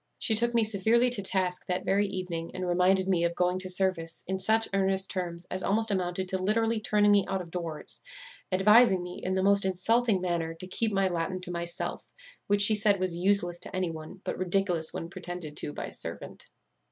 She took me severely to task that very evening, and reminded me of going to service in such earnest terms as almost amounted to literally turning me out of doors; advising me, in the most insulting manner, to keep my Latin to myself, which she said was useless to any one, but ridiculous when pretended to by a servant.